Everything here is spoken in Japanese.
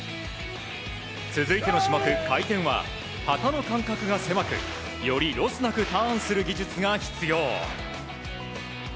続いての種目、回転は旗の間隔が狭くよりロスなくターンする技術が必要。